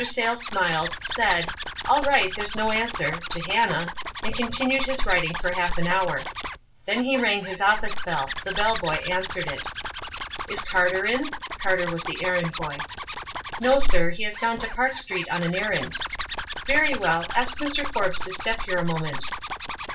Sayles smiled, said, "All right; there's no answer," to Hannah, and continued his writ ing for half an hour ; then he rang his office bell ; the bell boy answered it. " Is Carter in ?" Carter was the errand boy. w No, sir; he has gone to Park Street on an errand." " Very well ; ask Mr. Forbes to step here a moment."